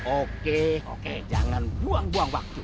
oke oke jangan buang buang waktu